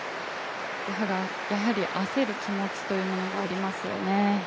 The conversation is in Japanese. やはり焦る気持ちというものがありますよね。